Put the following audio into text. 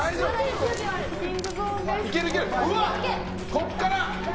ここから！